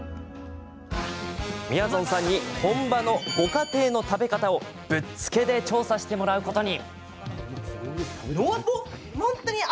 みやぞんさんに本場のご家庭の食べ方をぶっつけで調査してもらうことに。